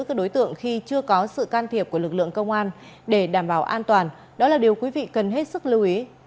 các đối tượng khi chưa có sự can thiệp của lực lượng công an để đảm bảo an toàn đó là điều quý vị cần hết sức lưu ý